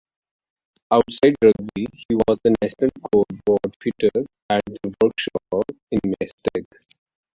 Outside rugby he was a National Coal Board fitter at their workshop in Maesteg.